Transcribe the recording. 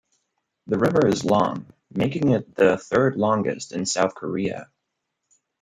The river is long, making it the third longest in South Korea.